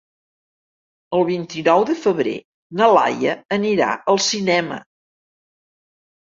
El vint-i-nou de febrer na Laia anirà al cinema.